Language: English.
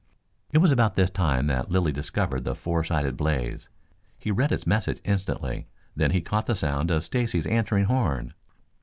It was about this time that Lilly discovered the four sided blaze. He read its message instantly. Then he caught the sound of Stacy's answering horn.